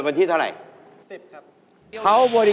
ได้